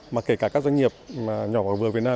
mà kể cả các doanh nghiệp nhỏ và vừa việt nam